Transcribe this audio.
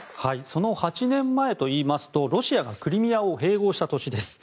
その８年前といいますとロシアがクリミアを併合した年です。